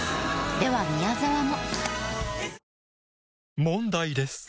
では宮沢も。